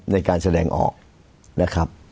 ในการแสดงออกนะครับ